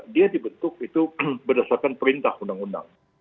dia dibentuk itu berdasarkan perintah undang undang